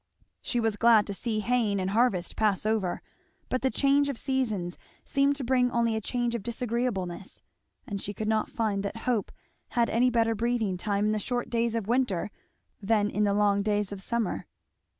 She was glad to see haying and harvest pass over; but the change of seasons seemed to bring only a change of disagreeableness, and she could not find that hope had any better breathing time in the short days of winter than in the long days of summer.